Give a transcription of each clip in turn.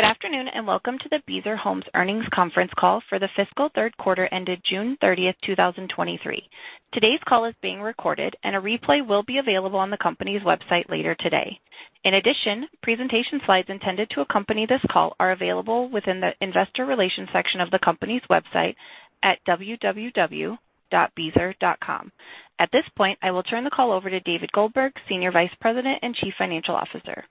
Good afternoon, and welcome to the Beazer Homes Earnings Conference Call for the fiscal third quarter ended June 30th, 2023. Today's call is being recorded, and a replay will be available on the company's website later today. In addition, presentation slides intended to accompany this call are available within the Investor Relations section of the company's website at www.beazer.com. At this point, I will turn the call over to David Goldberg, Senior Vice President and Chief Financial Officer.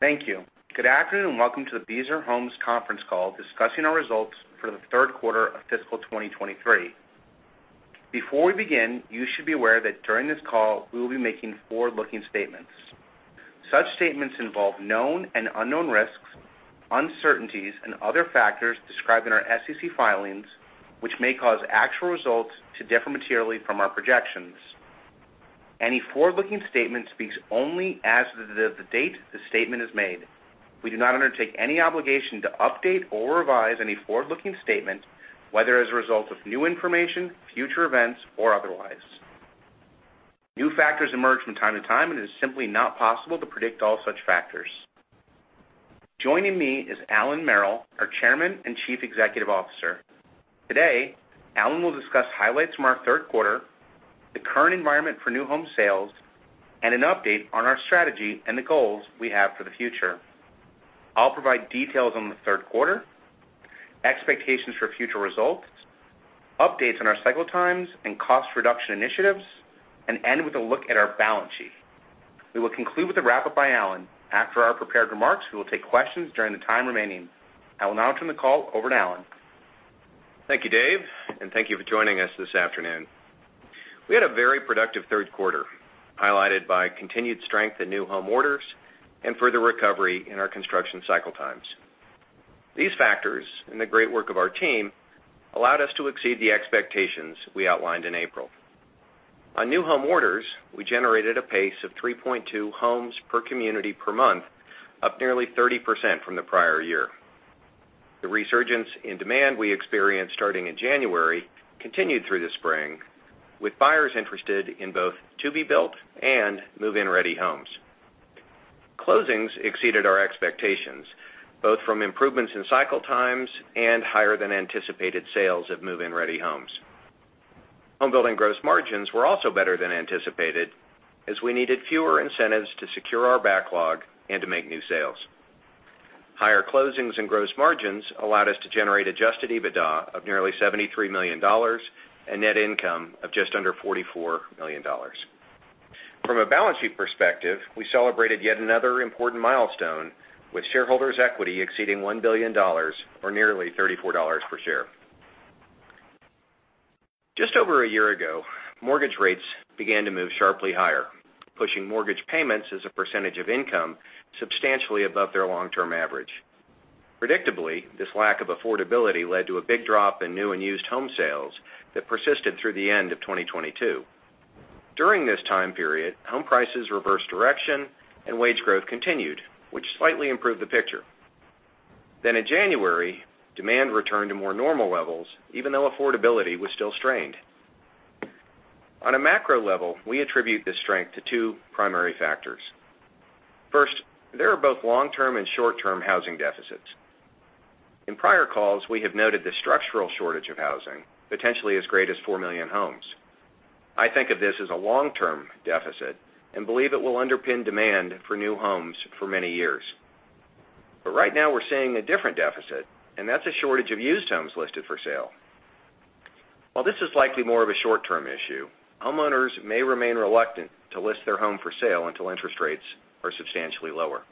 Thank you. Good afternoon, and welcome to the Beazer Homes conference call discussing our results for the third quarter of fiscal 2023. Before we begin, you should be aware that during this call, we will be making forward-looking statements. Such statements involve known and unknown risks, uncertainties, and other factors described in our SEC filings, which may cause actual results to differ materially from our projections. Any forward-looking statement speaks only as of the date the statement is made. We do not undertake any obligation to update or revise any forward-looking statement, whether as a result of new information, future events, or otherwise. New factors emerge from time to time, and it is simply not possible to predict all such factors. Joining me is Allan Merrill, our Chairman and Chief Executive Officer. Today, Allan will discuss highlights from our third quarter, the current environment for new home sales, and an update on our strategy and the goals we have for the future. I'll provide details on the third quarter, expectations for future results, updates on our cycle times and cost reduction initiatives, and end with a look at our balance sheet. We will conclude with a wrap-up by Allan. After our prepared remarks, we will take questions during the time remaining. I will now turn the call over to Allan. Thank you, Dave, and thank you for joining us this afternoon. We had a very productive third quarter, highlighted by continued strength in new home orders and further recovery in our construction cycle times. These factors, and the great work of our team, allowed us to exceed the expectations we outlined in April. On new home orders, we generated a pace of 3.2 homes per community per month, up nearly 30% from the prior year. The resurgence in demand we experienced starting in January continued through the spring, with buyers interested in both to-be-built and move-in-ready homes. Closings exceeded our expectations, both from improvements in cycle times and higher-than-anticipated sales of move-in-ready homes. Home building gross margins were also better than anticipated, as we needed fewer incentives to secure our backlog and to make new sales. Higher closings and gross margins allowed us to generate adjusted EBITDA of nearly $73 million and net income of just under $44 million. From a balance sheet perspective, we celebrated yet another important milestone, with shareholders' equity exceeding $1 billion, or nearly $34 per share. Just over one year ago, mortgage rates began to move sharply higher, pushing mortgage payments as a percentage of income substantially above their long-term average. Predictably, this lack of affordability led to a big drop in new and used home sales that persisted through the end of 2022. During this time period, home prices reversed direction and wage growth continued, which slightly improved the picture. In January, demand returned to more normal levels, even though affordability was still strained. On a macro level, we attribute this strength to two primary factors. First, there are both long-term and short-term housing deficits. In prior calls, we have noted the structural shortage of housing, potentially as great as 4 million homes. I think of this as a long-term deficit and believe it will underpin demand for new homes for many years. Right now, we're seeing a different deficit, and that's a shortage of used homes listed for sale. While this is likely more of a short-term issue, homeowners may remain reluctant to list their home for sale until interest rates are substantially lower.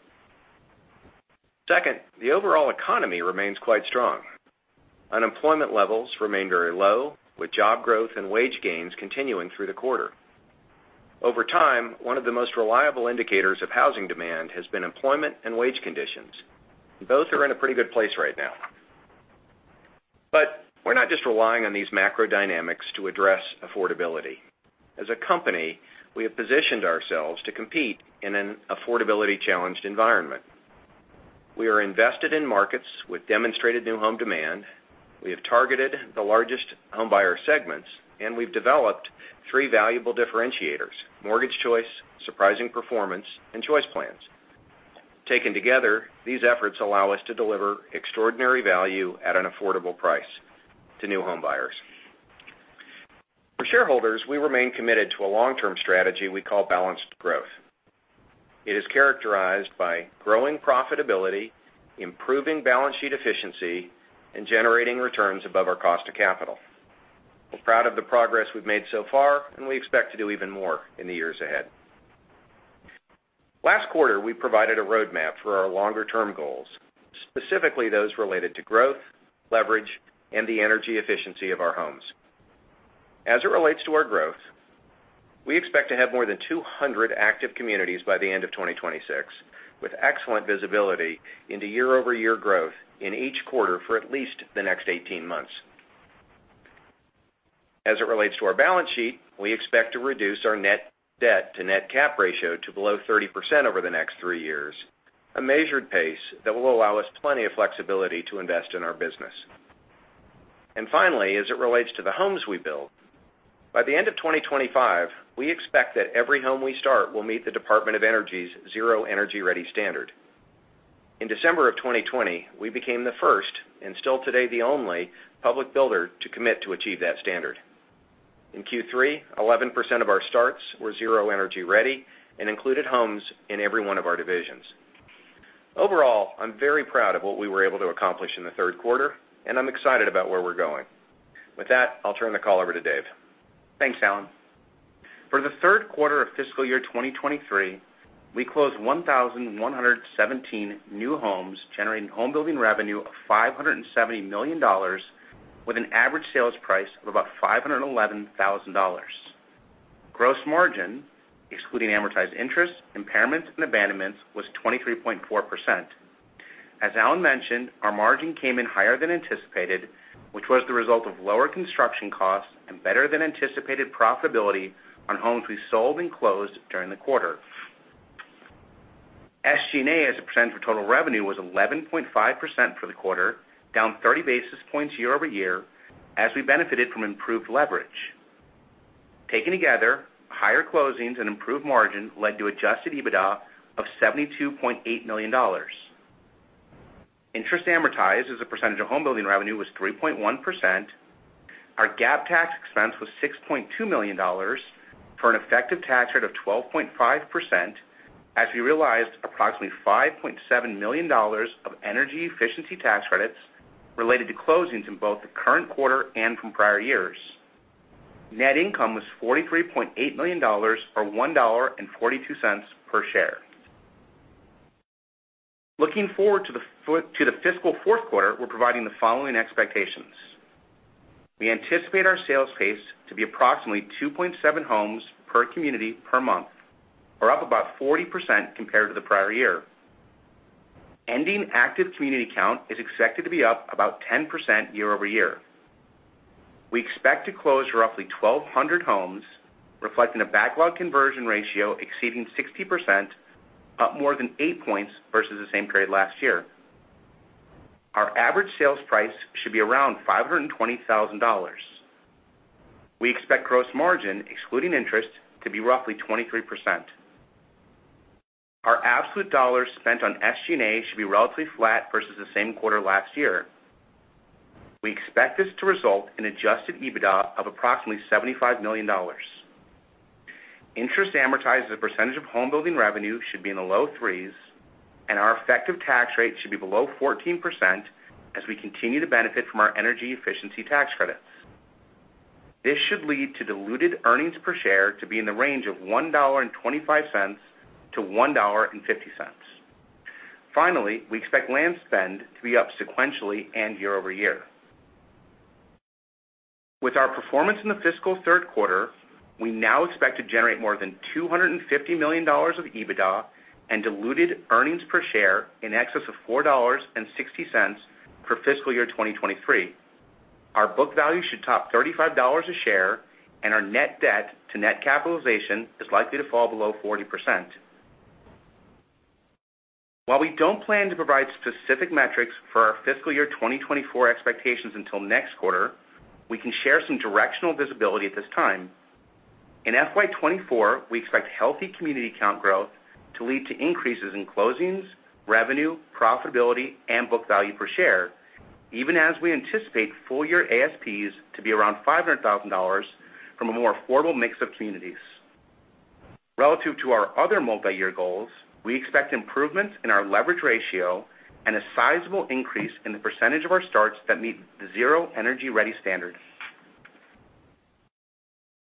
Second, the overall economy remains quite strong. Unemployment levels remain very low, with job growth and wage gains continuing through the quarter. Over time, one of the most reliable indicators of housing demand has been employment and wage conditions. Both are in a pretty good place right now. We're not just relying on these macro dynamics to address affordability. As a company, we have positioned ourselves to compete in an affordability-challenged environment. We are invested in markets with demonstrated new home demand. We have targeted the largest homebuyer segments, and we've developed three valuable differentiators: Mortgage Choice, Surprising Performance, and Choice Plans. Taken together, these efforts allow us to deliver extraordinary value at an affordable price to new homebuyers. For shareholders, we remain committed to a long-term strategy we call balanced growth. It is characterized by growing profitability, improving balance sheet efficiency, and generating returns above our cost of capital. We're proud of the progress we've made so far, and we expect to do even more in the years ahead. Last quarter, we provided a roadmap for our longer-term goals, specifically those related to growth, leverage, and the energy efficiency of our homes. As it relates to our growth, we expect to have more than 200 active communities by the end of 2026, with excellent visibility into year-over-year growth in each quarter for at least the next 18 months. As it relates to our balance sheet, we expect to reduce our net debt to net cap ratio to below 30% over the next three years, a measured pace that will allow us plenty of flexibility to invest in our business. Finally, as it relates to the homes we build, by the end of 2025, we expect that every home we start will meet the Department of Energy's Zero Energy Ready standard. In December of 2020, we became the first, and still today, the only public builder to commit to achieve that standard. In Q3, 11% of our starts were Zero Energy Ready and included homes in every one of our divisions. Overall, I'm very proud of what we were able to accomplish in the third quarter, and I'm excited about where we're going. With that, I'll turn the call over to Dave. Thanks, Allan. For the third quarter of fiscal year 2023, we closed 1,117 new homes, generating home building revenue of $570 million, with an average sales price of about $511,000. Gross margin, excluding amortized interest, impairments, and abandonments, was 23.4%. As Allan mentioned, our margin came in higher than anticipated, which was the result of lower construction costs and better than anticipated profitability on homes we sold and closed during the quarter. SG&A, as a percent of total revenue, was 11.5% for the quarter, down 30 basis points year-over-year, as we benefited from improved leverage. Taken together, higher closings and improved margin led to adjusted EBITDA of $72.8 million. Interest amortized as a percentage of home building revenue was 3.1%. Our GAAP tax expense was $6.2 million, for an effective tax rate of 12.5%, as we realized approximately $5.7 million of energy efficiency tax credits related to closings in both the current quarter and from prior years. Net income was $43.8 million, or $1.42 per share. Looking forward to the fiscal fourth quarter, we're providing the following expectations: We anticipate our sales pace to be approximately 2.7 homes per community per month, or up about 40% compared to the prior year. Ending active community count is expected to be up about 10% year-over-year. We expect to close roughly 1,200 homes, reflecting a backlog conversion ratio exceeding 60%, up more than eight points versus the same period last year. Our average sales price should be around $520,000. We expect gross margin, excluding interest, to be roughly 23%. Our absolute dollars spent on SG&A should be relatively flat versus the same quarter last year. We expect this to result in adjusted EBITDA of approximately $75 million. Interest amortized as a percentage of home building revenue should be in the low 3s, and our effective tax rate should be below 14% as we continue to benefit from our energy efficiency tax credits. This should lead to diluted earnings per share to be in the range of $1.25-$1.50. Finally, we expect land spend to be up sequentially and year-over-year. With our performance in the fiscal third quarter, we now expect to generate more than $250 million of EBITDA and diluted earnings per share in excess of $4.60 for fiscal year 2023. Our book value should top $35 a share, and our net debt to net capitalization is likely to fall below 40%. While we don't plan to provide specific metrics for our fiscal year 2024 expectations until next quarter, we can share some directional visibility at this time. In FY 2024, we expect healthy community count growth to lead to increases in closings, revenue, profitability, and book value per share, even as we anticipate full-year ASPs to be around $500,000 from a more affordable mix of communities. Relative to our other multi-year goals, we expect improvements in our leverage ratio and a sizable increase in the percentage of our starts that meet the Zero Energy Ready standards.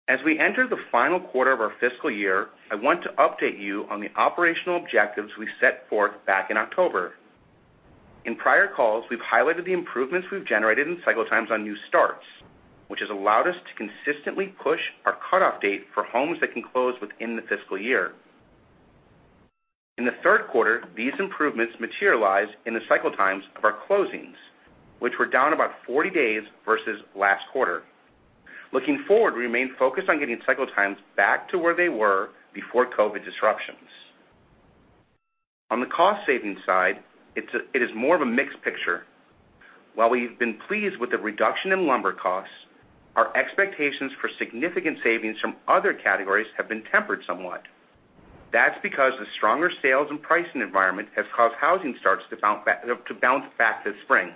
As we enter the final quarter of our fiscal year, I want to update you on the operational objectives we set forth back in October. In prior calls, we've highlighted the improvements we've generated in cycle times on new starts, which has allowed us to consistently push our cutoff date for homes that can close within the fiscal year. In the third quarter, these improvements materialize in the cycle times of our closings, which were down about 40 days versus last quarter. Looking forward, we remain focused on getting cycle times back to where they were before COVID disruptions. On the cost-saving side, it is more of a mixed picture. While we've been pleased with the reduction in lumber costs, our expectations for significant savings from other categories have been tempered somewhat. That's because the stronger sales and pricing environment has caused housing starts to bounce back this spring.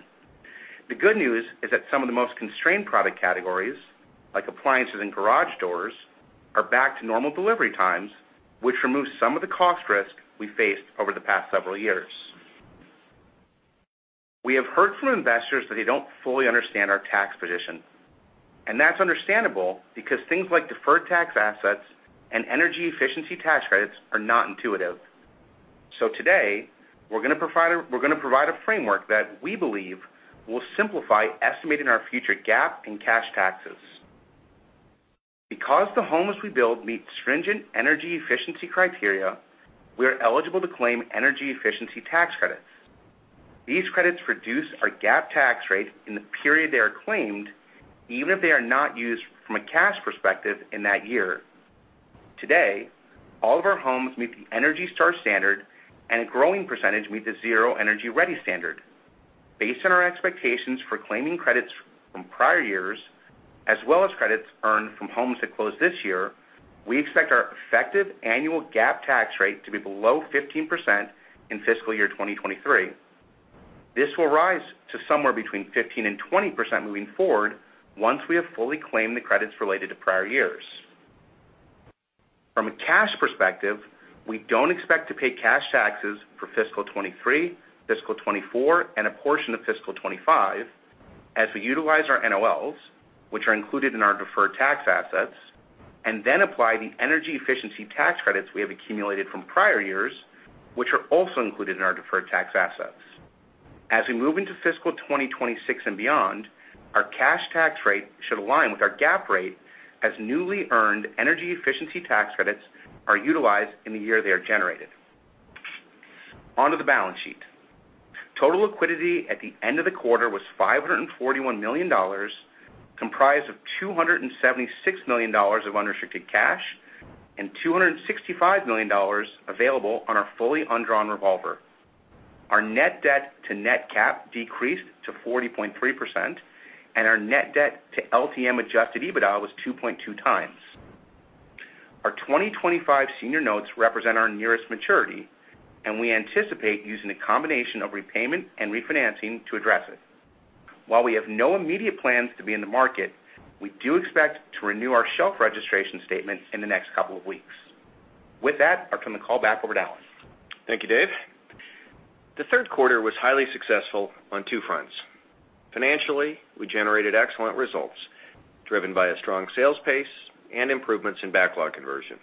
The good news is that some of the most constrained product categories, like appliances and garage doors, are back to normal delivery times, which removes some of the cost risk we faced over the past several years. We have heard from investors that they don't fully understand our tax position, and that's understandable because things like deferred tax assets and energy efficiency tax credits are not intuitive. Today, we're gonna provide a framework that we believe will simplify estimating our future GAAP and cash taxes. Because the homes we build meet stringent energy efficiency criteria, we are eligible to claim energy efficiency tax credits. These credits reduce our GAAP tax rate in the period they are claimed, even if they are not used from a cash perspective in that year....Today, all of our homes meet the ENERGY STAR standard, and a growing percentage meet the Zero Energy Ready standard. Based on our expectations for claiming credits from prior years, as well as credits earned from homes that closed this year, we expect our effective annual GAAP tax rate to be below 15% in fiscal year 2023. This will rise to somewhere between 15% and 20% moving forward, once we have fully claimed the credits related to prior years. From a cash perspective, we don't expect to pay cash taxes for fiscal 2023, fiscal 2024, and a portion of fiscal 2025, as we utilize our NOLs, which are included in our deferred tax assets, and then apply the energy efficiency tax credits we have accumulated from prior years, which are also included in our deferred tax assets. As we move into fiscal 2026 and beyond, our cash tax rate should align with our GAAP rate as newly earned energy efficiency tax credits are utilized in the year they are generated. On to the balance sheet. Total liquidity at the end of the quarter was $541 million, comprised of $276 million of unrestricted cash and $265 million available on our fully undrawn revolver. Our net debt to net cap decreased to 40.3%, and our net debt to LTM adjusted EBITDA was 2.2 times. Our 2025 senior notes represent our nearest maturity, and we anticipate using a combination of repayment and refinancing to address it. While we have no immediate plans to be in the market, we do expect to renew our shelf registration statement in the next couple of weeks. With that, I'll turn the call back over to Allan. Thank you, Dave. The third quarter was highly successful on two fronts. Financially, we generated excellent results, driven by a strong sales pace and improvements in backlog conversion.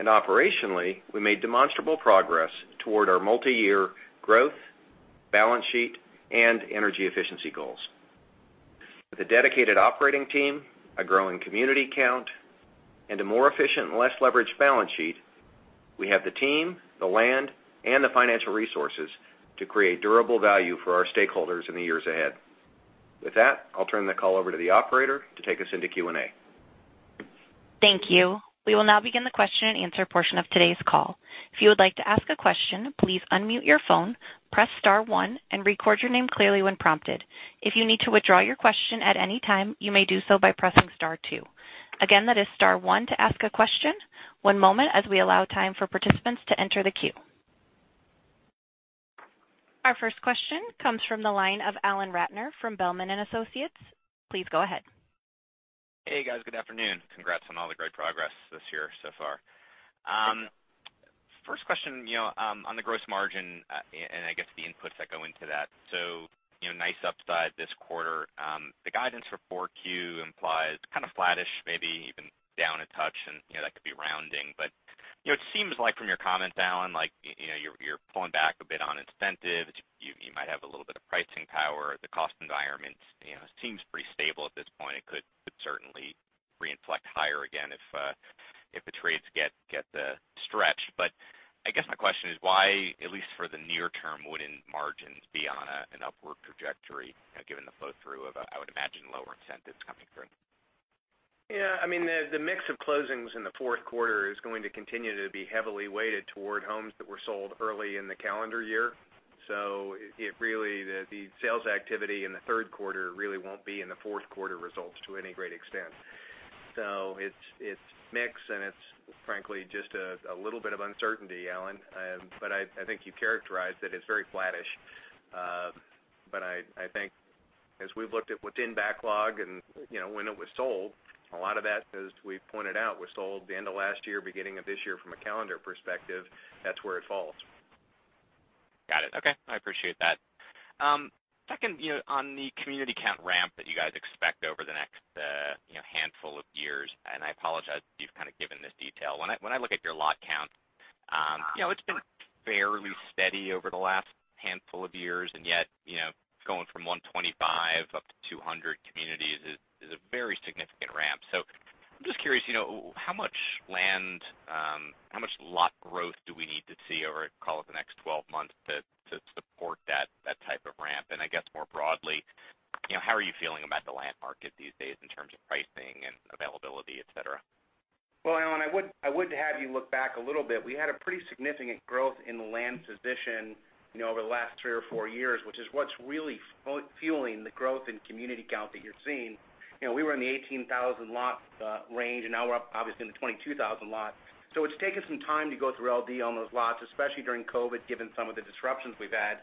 Operationally, we made demonstrable progress toward our multiyear growth, balance sheet, and energy efficiency goals. With a dedicated operating team, a growing community count, and a more efficient and less leveraged balance sheet, we have the team, the land, and the financial resources to create durable value for our stakeholders in the years ahead. With that, I'll turn the call over to the operator to take us into Q&A. Thank you. We will now begin the question-and-answer portion of today's call. If you would like to ask a question, please unmute your phone, press star one, and record your name clearly when prompted. If you need to withdraw your question at any time, you may do so by pressing star two. Again, that is star one to ask a question. One moment as we allow time for participants to enter the queue. Our first question comes from the line of Alan Ratner from Zelman & Associates. Please go ahead. Hey, guys, good afternoon. Congrats on all the great progress this year so far. First question, you know, on the gross margin, and I guess the inputs that go into that. You know, nice upside this quarter. The guidance for 4Q implies kind of flattish, maybe even down a touch, and, you know, that could be rounding. You know, it seems like from your comments, Alan, like, you know, you're, you're pulling back a bit on incentives. You, you might have a little bit of pricing power. The cost environment, you know, seems pretty stable at this point. It could, could certainly reinflate higher again if the trades get, get, stretched. I guess my question is why, at least for the near-term, wouldn't margins be on a, an upward trajectory, you know, given the flow-through of, I would imagine, lower incentives coming through? Yeah, I mean, the, the mix of closings in the fourth quarter is going to continue to be heavily weighted toward homes that were sold early in the calendar year. It really, the, the sales activity in the third quarter really won't be in the fourth quarter results to any great extent. It's, it's mix, and it's frankly just a, a little bit of uncertainty, Allan, but I, I think you characterized it as very flattish. But I, I think as we've looked at what's in backlog and, you know, when it was sold, a lot of that, as we pointed out, was sold the end of last year, beginning of this year from a calendar perspective. That's where it falls. Got it. Okay. I appreciate that. Second, you know, on the community count ramp that you guys expect over the next, you know, handful of years, and I apologize if you've kind of given this detail. When I, when I look at your lot count, you know, it's been fairly steady over the last handful of years, and yet, you know, going from 125 up to 200 communities is, is a very significant ramp. I'm just curious, you know, how much land, how much lot growth do we need to see over, call it, the next 12 months to, to support that, that type of ramp? I guess more broadly, you know, how are you feeling about the land market these days in terms of pricing and availability, et cetera? Well, Alan, I would have you look back a little bit. We had a pretty significant growth in the land position, you know, over the last three or four years, which is what's really fueling the growth in community count that you're seeing. You know, we were in the 18,000 lot range, and now we're up, obviously, in the 22,000 lots. It's taken some time to go through LD on those lots, especially during COVID, given some of the disruptions we've had.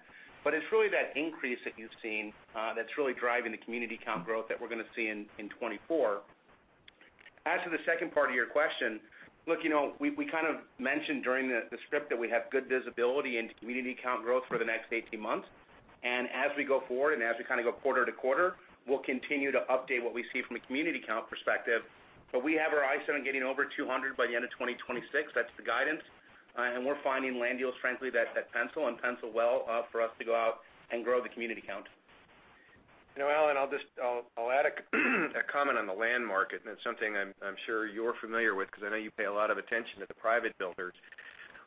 It's really that increase that you've seen, that's really driving the community count growth that we're going to see in 2024. As to the second part of your question, look, you know, we kind of mentioned during the script that we have good visibility into community count growth for the next 18 months. As we go forward and as we kind of go quarter to quarter, we'll continue to update what we see from a community count perspective. We have our eyes on getting over 200 by the end of 2026. That's the guidance. We're finding land deals, frankly, that, that pencil and pencil well, for us to go out and grow the community count. You know, Alan, I'll just. I'll, I'll add a, a comment on the land market, and it's something I'm, I'm sure you're familiar with, because I know you pay a lot of attention to the private builders.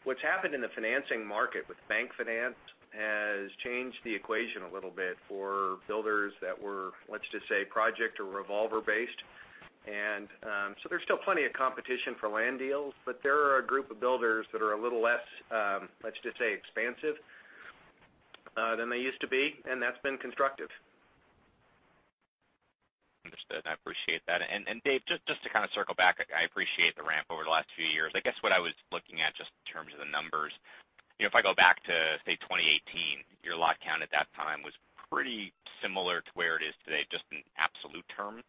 What's happened in the financing market with bank finance has changed the equation a little bit for builders that were, let's just say, project or revolver-based. So there's still plenty of competition for land deals, but there are a group of builders that are a little less, let's just say, expansive than they used to be, and that's been constructive. Understood. I appreciate that. Dave, just, just to kind of circle back, I appreciate the ramp over the last few years. I guess what I was looking at, just in terms of the numbers, you know, if I go back to, say, 2018, your lot count at that time was pretty similar to where it is today, just in absolute term.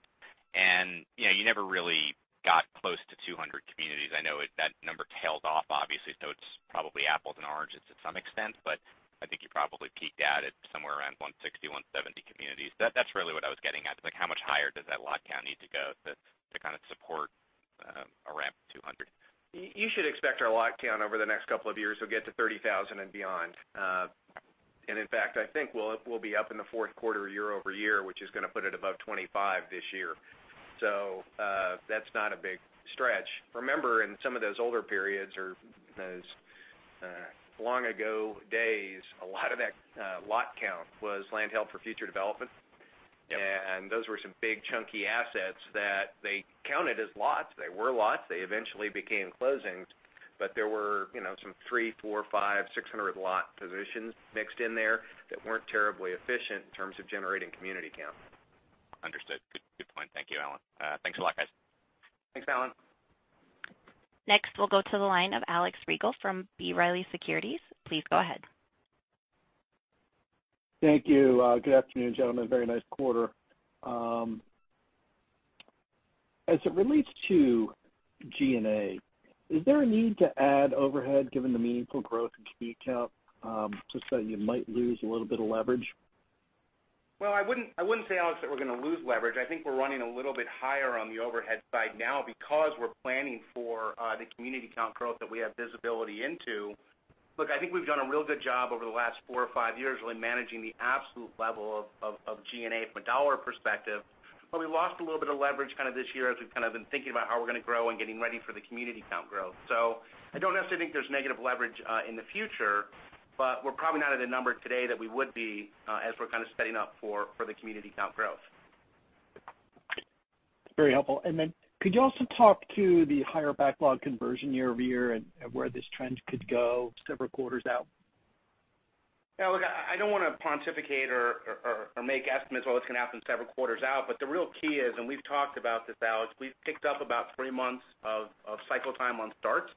You know, you never really got close to 200 communities. I know that number tails off, obviously, so it's probably apples and oranges to some extent, but I think you probably peaked out at somewhere around 160, 170 communities. That's really what I was getting at, like, how much higher does that lot count need to go to, to kind of support, a ramp to 200? You, you should expect our lot count over the next couple of years will get to 30,000 and beyond. In fact, I think we'll, we'll be up in the fourth quarter year-over-year, which is going to put it above 25 this year. That's not a big stretch. Remember, in some of those older periods, or those, long ago days, a lot of that, lot count was land held for future development. Yep. Those were some big, chunky assets that they counted as lots. They were lots. They eventually became closings, there were, you know, some 3, 4, 5, 600 lot positions mixed in there that weren't terribly efficient in terms of generating community count. Understood. Good, good point. Thank you, Allan. Thanks a lot, guys. Thanks, Alan. Next, we'll go to the line of Alex Rygiel from B. Riley Securities. Please go ahead. Thank you. Good afternoon, gentlemen. Very nice quarter. As it relates to G&A, is there a need to add overhead given the meaningful growth in community count, just so you might lose a little bit of leverage? Well, I wouldn't, I wouldn't say, Alex, that we're going to lose leverage. I think we're running a little bit higher on the overhead side now because we're planning for the community count growth that we have visibility into. Look, I think we've done a real good job over the last four or five years, really managing the absolute level of, of, of G&A from a dollar perspective. We lost a little bit of leverage kind of this year as we've kind of been thinking about how we're going to grow and getting ready for the community count growth. I don't necessarily think there's negative leverage in the future, but we're probably not at a number today that we would be as we're kind of setting up for, for the community count growth. Very helpful. Could you also talk to the higher backlog conversion year-over-year and where this trend could go several quarters out? Yeah, look, I, I don't want to pontificate or, or, or make estimates on what's going to happen several quarters out, but the real key is, and we've talked about this, Alex, we've picked up about three months of, of cycle time on starts.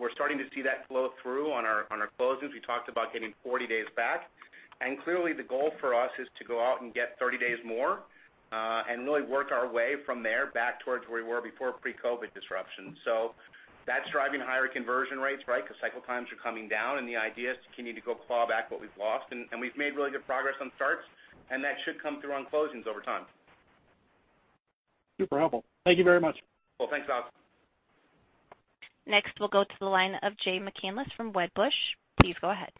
We're starting to see that flow through on our, on our closings. We talked about getting 40 days back, and clearly, the goal for us is to go out and get 30 days more, and really work our way from there back towards where we were before pre-COVID disruption. That's driving higher conversion rates, right? Because cycle times are coming down, and the idea is to continue to go claw back what we've lost, and, and we've made really good progress on starts, and that should come through on closings over time. Super helpful. Thank you very much. Well, thanks, Alex. Next, we'll go to the line of Jay McCanless from Wedbush. Please go ahead.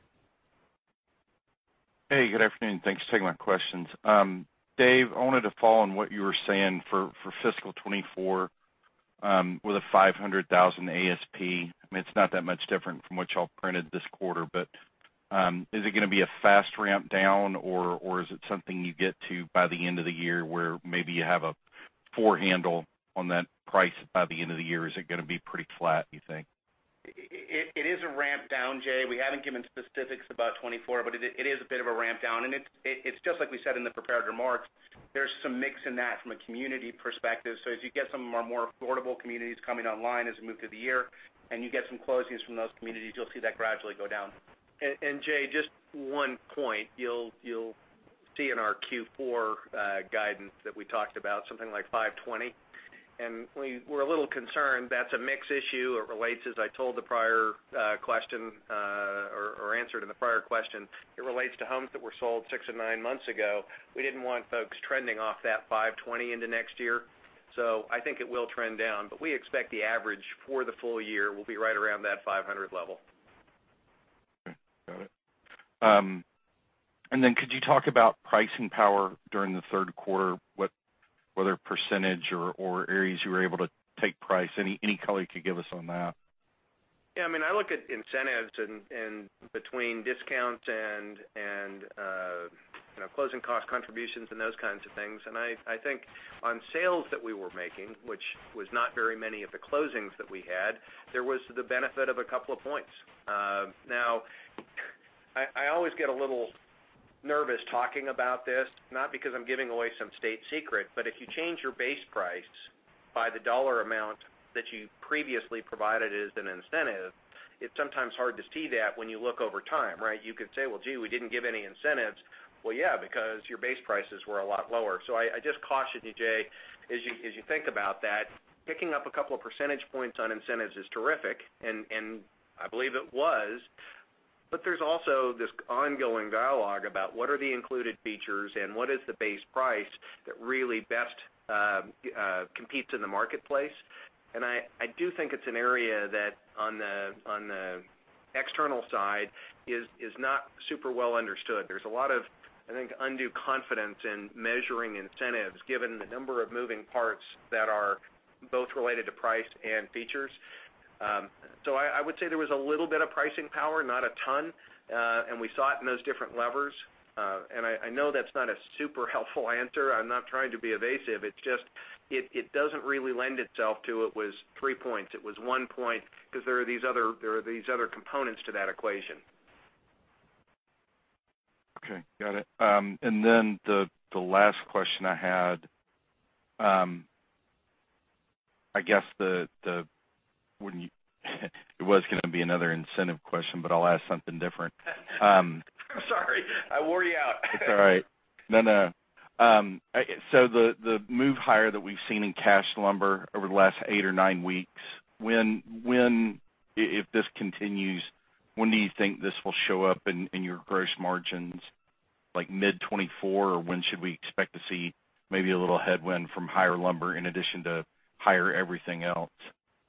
Hey, good afternoon, thanks for taking my questions. Dave, I wanted to follow on what you were saying for, for fiscal 2024, with a $500,000 ASP. I mean, it's not that much different from what you all printed this quarter, but, is it going to be a fast ramp down, or is it something you get to by the end of the year, where maybe you have a poor handle on that price by the end of the year? Is it going to be pretty flat, you think? It, it is a ramp down, Jay. We haven't given specifics about 2024, but it, it is a bit of a ramp down, it, it's just like we said in the prepared remarks, there's some mix in that from a community perspective. As you get some of our more affordable communities coming online as we move through the year, and you get some closings from those communities, you'll see that gradually go down. Jay, just one point. You'll, you'll see in our Q4 guidance that we talked about something like $520, and we're a little concerned that's a mix issue. It relates, as I told the prior question, or answered in the prior question, it relates to homes that were sold six and nine months ago. We didn't want folks trending off that 520 into next year, so I think it will trend down, but we expect the average for the full year will be right around that 500 level. Okay, got it. Then could you talk about pricing power during the third quarter? whether percentage or, or areas you were able to take price, any, any color you could give us on that? Yeah, I mean, I look at incentives and, and between discounts and, you know, closing cost contributions and those kinds of things. I, I think on sales that we were making, which was not very many of the closings that we had, there was the benefit of a couple of points. Now, I, I always get a little nervous talking about this, not because I'm giving away some state secret, but if you change your base price by the dollar amount that you previously provided as an incentive, it's sometimes hard to see that when you look over time, right? You could say, "Well, gee, we didn't give any incentives." Well, yeah, because your base prices were a lot lower. I, I just caution you, Jay, as you, as you think about that, picking up 2 percentage points on incentives is terrific, and, and I believe it was, but there's also this ongoing dialogue about what are the included features and what is the base price that really best competes in the marketplace. I, I do think it's an area that on the external side is, is not super well understood. There's a lot of, I think, undue confidence in measuring incentives, given the number of moving parts that are both related to price and features. I, I would say there was a little bit of pricing power, not a ton, and we saw it in those different levers. I, I know that's not a super helpful answer. I'm not trying to be evasive, it's just, it, it doesn't really lend itself to it was three points, it was one point, because there are these other components to that equation. Okay, got it. Then the last question I had, I guess, when you it was gonna be another incentive question, but I'll ask something different. I'm sorry, I wore you out. It's all right. No, no. The move higher that we've seen in cash lumber over the last eight or nine weeks, when if this continues, when do you think this will show up in your gross margins, like mid 2024, or when should we expect to see maybe a little headwind from higher lumber in addition to higher everything else?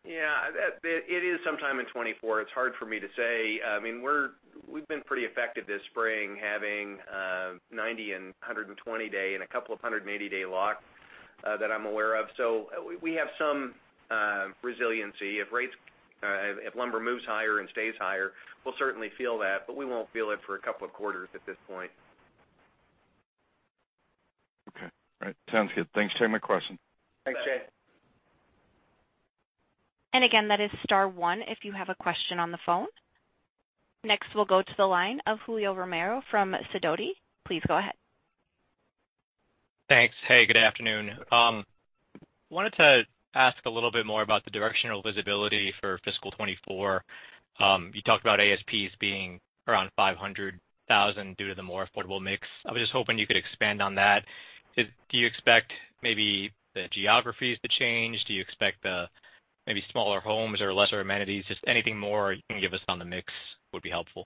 Yeah, it is sometime in 2024. It's hard for me to say. I mean, we've been pretty effective this spring, having, 90 and 120 day and a couple of 280 day locks, that I'm aware of. We, we have some resiliency. If rates, if lumber moves higher and stays higher, we'll certainly feel that, but we won't feel it for a couple of quarters at this point. Okay. All right, sounds good. Thanks for taking my question. Thanks, Jay. Again, that is star one if you have a question on the phone. Next, we'll go to the line of Julio Romero from Sidoti. Please go ahead. Thanks. Hey, good afternoon. Wanted to ask a little bit more about the directional visibility for fiscal 2024. You talked about ASPs being around $500,000 due to the more affordable mix. I was just hoping you could expand on that. Do you expect maybe the geographies to change? Do you expect the maybe smaller homes or lesser amenities? Just anything more you can give us on the mix would be helpful.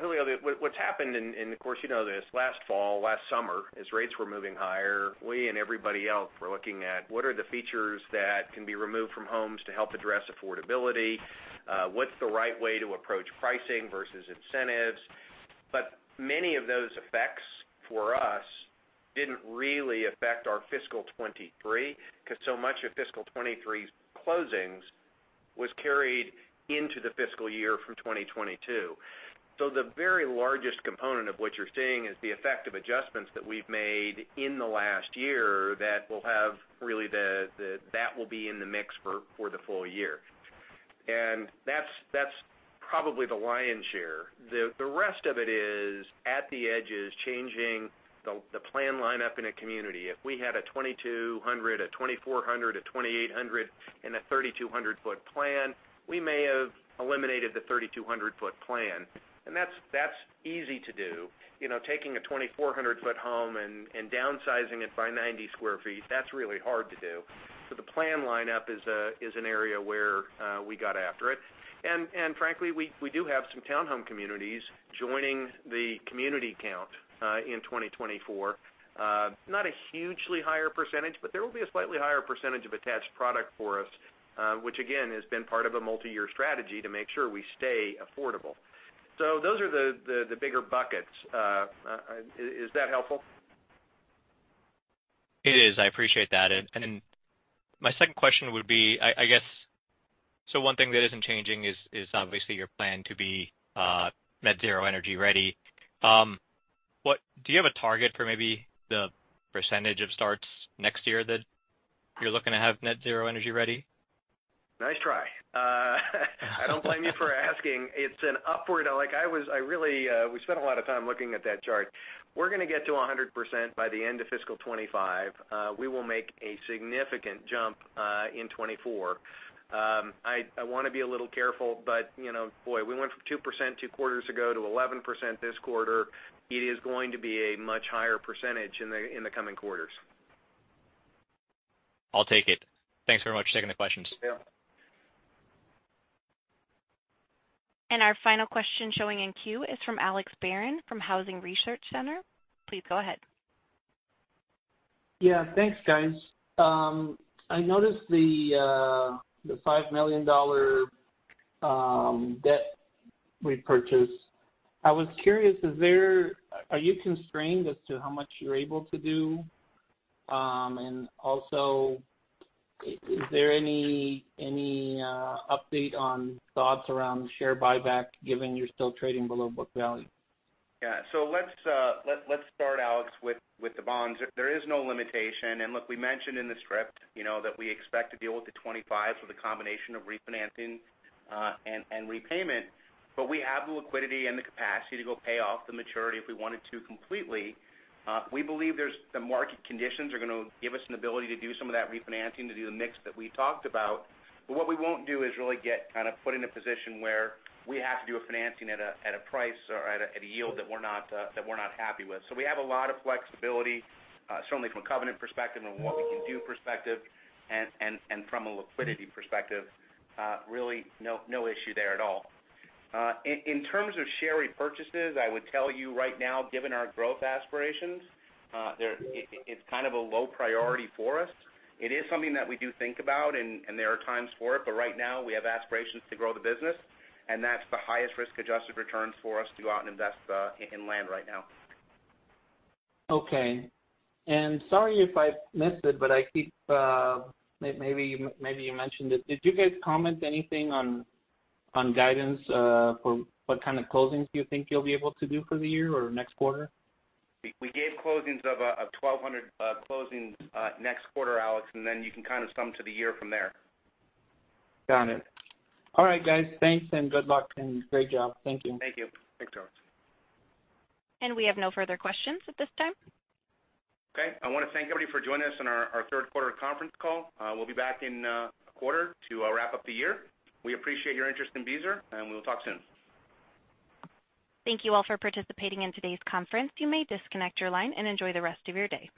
Julio, what's happened, and of course, you know this, last fall, last summer, as rates were moving higher, we and everybody else were looking at what are the features that can be removed from homes to help address affordability? What's the right way to approach pricing versus incentives? Many of those effects, for us, didn't really affect our fiscal 2023, because so much of fiscal 2023's closings was carried into the fiscal year from 2022. The very largest component of what you're seeing is the effect of adjustments that we've made in the last year that will have really the that will be in the mix for the full year. That's probably the lion's share. The rest of it is at the edges, changing the plan line up in a community. If we had a 2,200, a 2,400, a 2,800, and a 3,200 foot plan, we may have eliminated the 3,200 foot plan. That's, that's easy to do. You know, taking a 2,400 foot home and, and downsizing it by 90 sq ft, that's really hard to do. The plan lineup is a, is an area where we got after it. Frankly, we, we do have some townhome communities joining the community count in 2024. Not a hugely higher %, but there will be a slightly higher % of attached product for us, which again, has been part of a multi-year strategy to make sure we stay affordable. Those are the, the, the bigger buckets. Is, is that helpful? It is. I appreciate that. My second question would be, so one thing that isn't changing is, is obviously your plan to be, net zero energy ready. Do you have a target for maybe the % of starts next year that you're looking to have net zero energy ready? Nice try. I don't blame you for asking. It's an upward-- like, I was-- I really, we spent a lot of time looking at that chart. We're gonna get to 100% by the end of fiscal 2025. We will make a significant jump in 2024. I, I want to be a little careful, but, you know, boy, we went from 2% two quarters ago to 11% this quarter. It is going to be a much higher percentage in the, in the coming quarters. I'll take it. Thanks very much for taking the questions. Yeah. Our final question showing in queue is from Alex Barron from Housing Research Center. Please go ahead. Yeah, thanks, guys. I noticed the $5 million debt repurchase. I was curious, are you constrained as to how much you're able to do? Also, is there any update on thoughts around share buyback, given you're still trading below book value? Yeah. Let's, let's, let's start, Alex, with, with the bonds. There is no limitation. Look, we mentioned in the script, you know, that we expect to be able to 2025 with a combination of refinancing, and, and repayment, but we have the liquidity and the capacity to go pay off the maturity if we wanted to completely. We believe there's- the market conditions are gonna give us an ability to do some of that refinancing, to do the mix that we talked about. What we won't do is really get kind of put in a position where we have to do a financing at a, at a price or at a, at a yield that we're not, that we're not happy with. we have a lot of flexibility, certainly from a covenant perspective and what we can do perspective, and from a liquidity perspective, really no, no issue there at all. In, in terms of share repurchases, I would tell you right now, given our growth aspirations, it's kind of a low priority for us. It is something that we do think about, and there are times for it, but right now we have aspirations to grow the business, that's the highest risk-adjusted returns for us to go out and invest in land right now. Okay. sorry if I missed it, but I think, maybe you mentioned it. Did you guys comment anything on, on guidance, for what kind of closings do you think you'll be able to do for the year or next quarter? We, we gave closings of, of 1,200 closings next quarter, Alex, and then you can kind of sum to the year from there. Got it. All right, guys. Thanks, and good luck, and great job. Thank you. Thank you. Thanks, Alex. We have no further questions at this time. Okay. I want to thank everybody for joining us on our, our third quarter conference call. We'll be back in a quarter to wrap up the year. We appreciate your interest in Beazer. We will talk soon. Thank you all for participating in today's conference. You may disconnect your line and enjoy the rest of your day.